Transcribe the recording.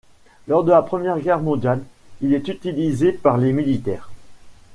Lors de la Première Guerre mondiale, il est utilisé par les miliitaires.